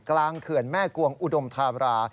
กลางเขื่อนแม่กวงอุดมธารา